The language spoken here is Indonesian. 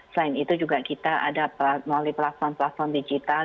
selain itu juga kita ada melalui platform platform digital